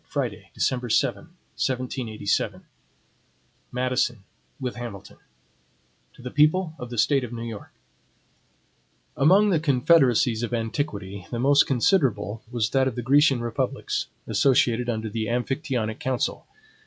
Friday, December 7, 1787 MADISON, with HAMILTON To the People of the State of New York: AMONG the confederacies of antiquity, the most considerable was that of the Grecian republics, associated under the Amphictyonic council.